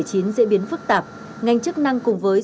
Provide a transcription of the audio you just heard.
diễn biến phức tạp ngành chức năng cùng với